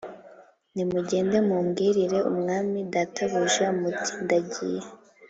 Nimugende mumbwirire umwami databuja muti ndagiye